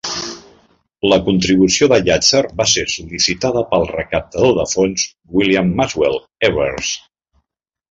La contribució de Llàtzer va ser sol·licitada pel recaptador de fons William Maxwell Evarts.